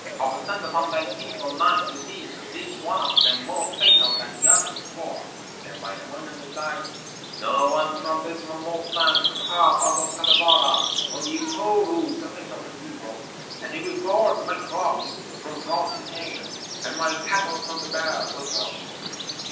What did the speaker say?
I will send upon thy people nine diseases, each one of them more fatal than the one before.' Then Wainamoinen replied: 'No one from dismal Northland can harm us of Kalevala, Only Ukko rules the fate of peoples, and he will guard my crops from frost and hail, and my cattle from the bear, Otso.